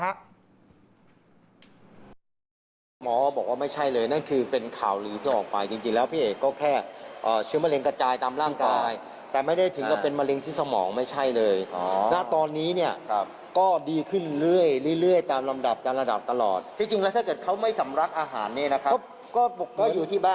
ตัวเพิ่มเพิ่มขึ้นพี่เอกเนี่ยน้ำหนักขึ้นด้วยนะครับ